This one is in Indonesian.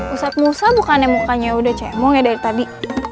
ustadz musa bukannya mukanya udah cemong ya dari tadi